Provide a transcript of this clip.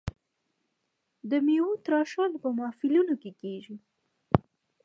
د میوو تراشل په محفلونو کې کیږي.